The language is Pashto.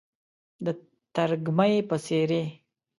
د ترږمۍ په څیرې،